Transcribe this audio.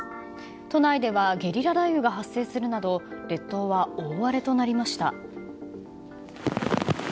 都内ではゲリラ雷雨が発生するなど列島は大荒れとなりました。